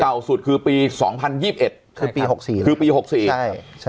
เก่าสุดคือปีสองพันยี่บเอ็ดคือปีหกสี่คือปีหกสี่ใช่ใช่